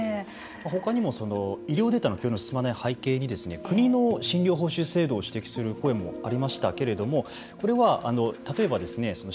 ほかにも医療データの共有の進まないことの背景に国の診療報酬制度を指摘する声もありましたけれどもこれは例えばですね